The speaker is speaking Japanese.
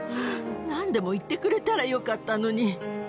なんでも言ってくれたらよかったのに。